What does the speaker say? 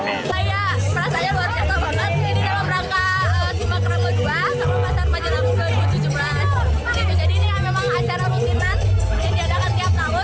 jadi ini memang acara rutinan yang diadakan tiap tahun